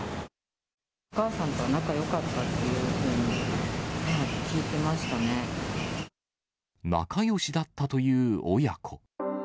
お母さんとは仲よかったって仲よしだったという親子。